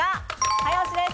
早押しです。